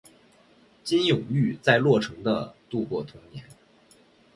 金永玉在洛城的度过童年。